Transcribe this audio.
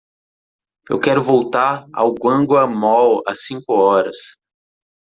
Eu quero voltar ao Guanghua Mall às cinco horas.